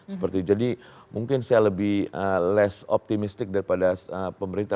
seperti jadi mungkin saya lebih less optimistic daripada pemerintah